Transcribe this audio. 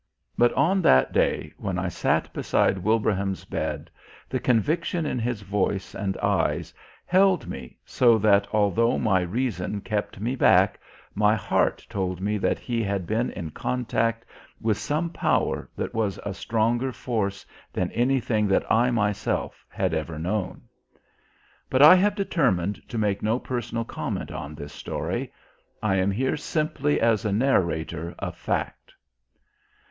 But on that day when I sat beside Wilbraham's bed the conviction in his voice and eyes held me so that although my reason kept me back my heart told me that he had been in contact with some power that was a stronger force than anything that I myself had ever known. But I have determined to make no personal comment on this story. I am here simply as a narrator of fact....